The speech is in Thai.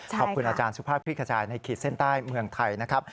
ขอบคุณอาจารย์สุภาพคลิกขจายในขีดเส้นใต้เมืองไทยนะครับ